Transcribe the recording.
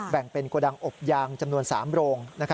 แบ่งเป็นโกดังอบยางจำนวน๓โรง